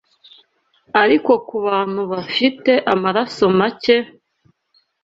Ariko ku bantu bafite amaraso make,